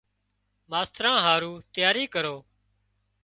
ماستران هارُو تياري ڪروِي۔